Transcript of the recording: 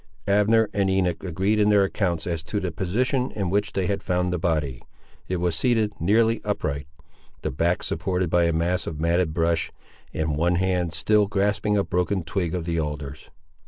Abner and Enoch agreed in their accounts as to the position in which they had found the body. It was seated nearly upright, the back supported by a mass of matted brush, and one hand still grasping a broken twig of the alders.